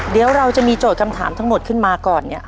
เดี๋ยวเราจะมีโจทย์คำถามทั้งหมดขึ้นมาก่อนเนี่ย